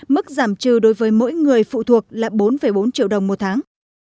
mức giảm trừ đối với mỗi người phụ thuộc là bốn bốn triệu đồng một tháng